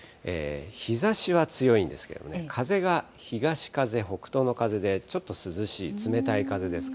日ざしは強いんですけれどもね、風が東風、北東の風で、ちょっと涼しい、冷たい風です。